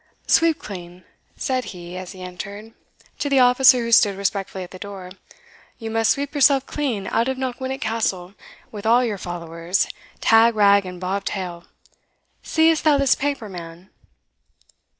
"Sweepclean," said he, as he entered, to the officer who stood respectfully at the door, "you must sweep yourself clean out of Knockwinnock Castle, with all your followers, tag rag and bob tail. Seest thou this paper, man?"